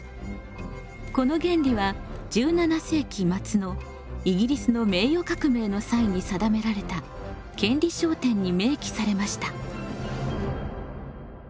この原理は１７世紀末のイギリスの名誉革命の際に定められた「権利章典」に明記されました。